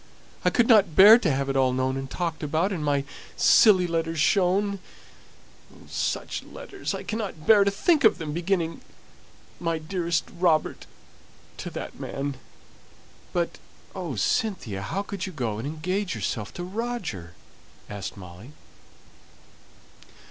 I couldn't bear to have it all known and talked about, and my silly letters shown oh, such letters! I cannot bear to think of them, beginning, 'My dearest Robert,' to that man " "But, oh, Cynthia, how could you go and engage yourself to Roger?" asked Molly.